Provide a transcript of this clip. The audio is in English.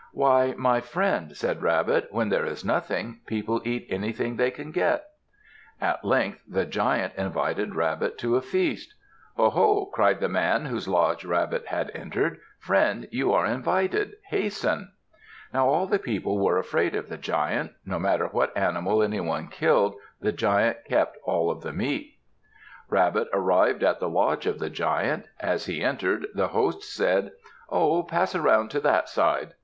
"Why, my friend," said Rabbit, "when there is nothing, people eat anything they can get." At length the Giant invited Rabbit to a feast. "Oh ho!" called the man whose lodge Rabbit had entered. "Friend, you are invited. Hasten!" Now all the people were afraid of the Giant. No matter what animal anyone killed, the Giant kept all of the meat. Rabbit arrived at the lodge of the Giant. As he entered, the host said, "Oh! Pass around to that side."